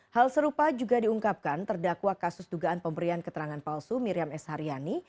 hal serupa juga diungkapkan terdakwa kasus dugaan pemberian keterangan palsu miriam s haryani